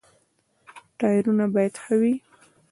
ټایرونه باید ښه وي.